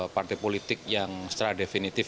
partai politik yang secara definitif